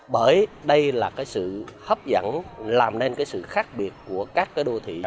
bởi đây là sự hấp dẫn làm nên sự khác biệt của các đô thị